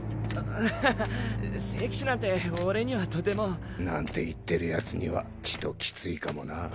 ははっ聖騎士なんて俺にはとても。なんて言ってるヤツにはちときついかもな。